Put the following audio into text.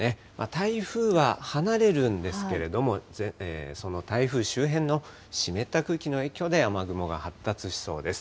台風は離れるんですけれども、その台風周辺の湿った空気の影響で雨雲が発達しそうです。